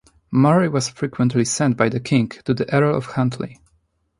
Murray was frequently sent by the king to the Earl of Huntly.